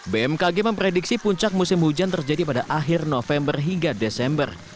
bmkg memprediksi puncak musim hujan terjadi pada akhir november hingga desember